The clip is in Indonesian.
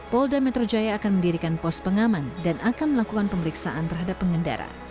polda metro jaya akan mendirikan pos pengaman dan akan melakukan pemeriksaan terhadap pengendara